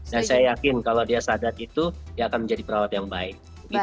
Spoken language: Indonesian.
dan saya yakin kalau dia sadar itu dia akan menjadi perawat yang baik